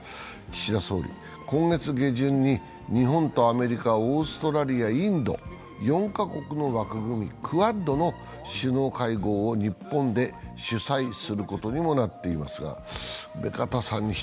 岸田総理、今月下旬に日本とアメリカ、オーストラリア、インド、４カ国の枠組みクアッドの首脳会合を日本で主催することにもなっています。